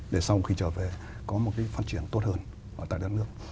để sau khi trở về có một cái phát triển tốt hơn ở tại đất nước